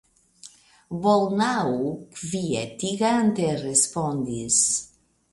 Bolnau kvietigante respondis.